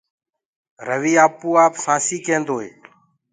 رويٚ آپوآپ سآنٚسي ڪينٚدوئي